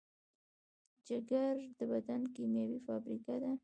جگر د بدن کیمیاوي فابریکه ده.